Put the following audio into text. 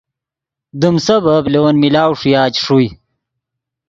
دیم سبب لے ون ملاؤ ݰویا چے ݰوئے